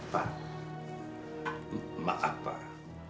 pak maaf pak